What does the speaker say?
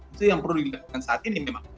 itu yang perlu dilakukan saat ini memang